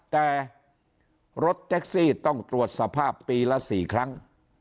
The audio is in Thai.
แต่รถแท็กซี่ต้องตรวจสภาพปีละ๔ครั้ง